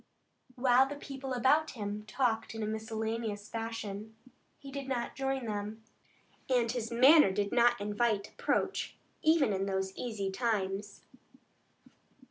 While the people about him talked in a miscellaneous fashion, he did not join them, and his manner did not invite approach even in those easy times.